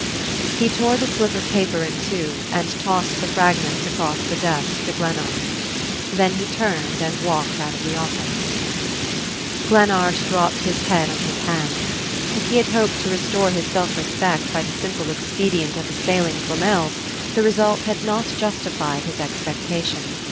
He tore the slip of paper in two and tossed the fragments across the desk to Glennard. Then he turned and walked out of the office. Glennard dropped his head on his hands. If he had hoped to restore his self respect by the simple expedient of assailing Flamel's, the result had not justified his expectation.